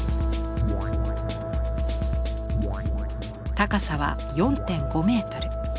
高さは４．５メートル。